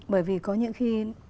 bởi vì có những khi